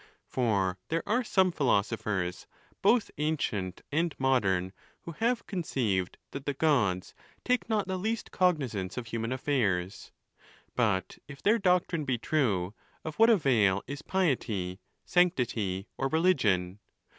II. For there are some philosophers, both ancient and modern, who have conceived that the Gods take not the least cognizance of human affairs. But if their doctrine be true, of what avail is piety, sanctity, or religion?